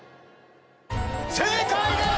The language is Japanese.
正解です！